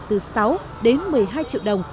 từ sáu đến một mươi hai triệu đồng